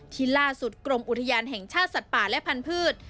ที่ล่าสุดกรมอุทยานแห่งชาติสัตว์ป่าและพันธุ์